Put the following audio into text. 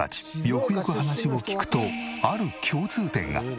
よくよく話を聞くとある共通点が。